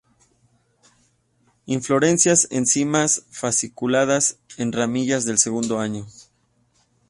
Inflorescencias en cimas fasciculadas en ramillas del segundo año.